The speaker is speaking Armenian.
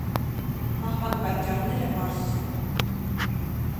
Մահվան պատճառները պարզ չեն։